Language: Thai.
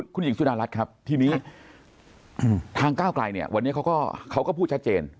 คุณหญิงสุดารัฐครับทีนี้ทางก้าวไกลเนี่ยวันนี้เขาก็พูดชัดเจน